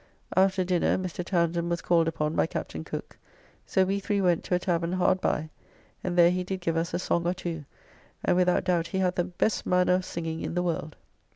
After dinner Mr. Townsend was called upon by Captain Cooke: so we three went to a tavern hard by, and there he did give us a song or two; and without doubt he hath the best manner of singing in the world.